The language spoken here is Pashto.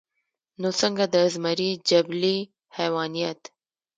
نو څنګه د ازمري جبلي حېوانيت